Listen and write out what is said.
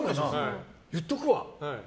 言っとくわ！